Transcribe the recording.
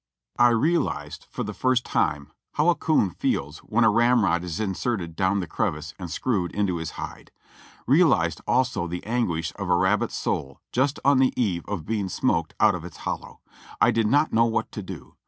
I realized for the first time 452 JOHNNY REB AND BILLY YANK how a coon feels when a ramrod is inserted down the crevice and screwed into his hide ; reaHzed also the anguish of a rabbit's soul just on the eve of being smoked out of its hollow. I did not know what to do.